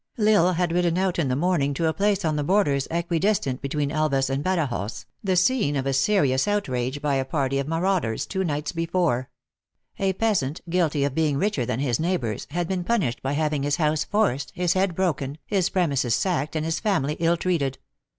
L Isle had ridden out in the morning to a place on the borders, equi distant between Elvas and Badajoz, the scene of a serious outrage by a party of maraud ers two nights before. A peasant, guilty of being richer than his neighbors, had been punished by hav ing his house forced, his head broken, his premises sacked, and his family ill treated.